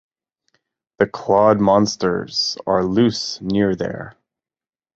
The clawed monsters are loose near there.